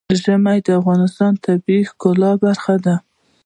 ژمی د افغانستان د طبیعت د ښکلا برخه ده.